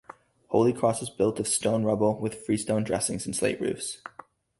Holy Cross is built of stone rubble with freestone dressings and slate roofs.